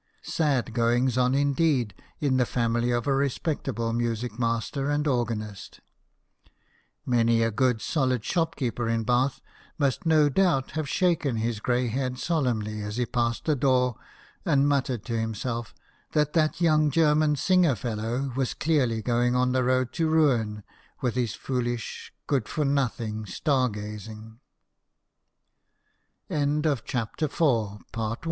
Sad goings on, indeed, in the family of a re spectable music master and organist ! Many a good solid shopkeeper in Bath must no doubt have shaken his grey head solemnly as he passed the door, and muttered to himself that that young German singer fellow was clearly going on the road to ruin with his foolish good f